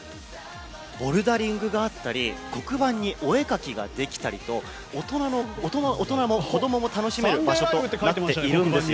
ボルダリングがあったり黒板にお絵かきができたりと大人も子供も楽しめる場所となっているんです。